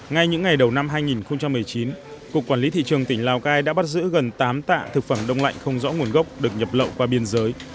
ngay những ngày đầu năm hai nghìn một mươi chín cục quản lý thị trường tỉnh lào cai đã bắt giữ gần tám tạ thực phẩm đông lạnh không rõ nguồn gốc được nhập lậu qua biên giới